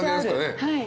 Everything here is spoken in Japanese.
はい。